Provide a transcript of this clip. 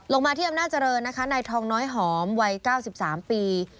ลงมาที่อำนาจเจริญนะคะนายทองน้อยหอมวัย๙๓ปี